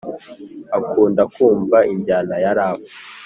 akunda kumva injyana ya rap